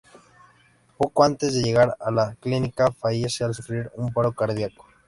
Poco antes de llegar a la clínica, fallece al sufrir un paro cardíaco.